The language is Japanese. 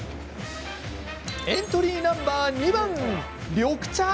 エントリーナンバー２番、緑茶。